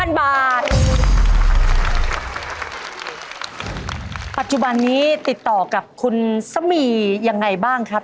ปัจจุบันนี้ติดต่อกับคุณสมียังไงบ้างครับ